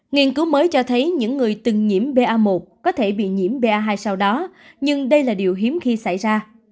nghiên cứu mới cho thấy những người từng nhiễm ba một có thể bị nhiễm ba hai sau đó nhưng đây là điều hiếm khi xảy ra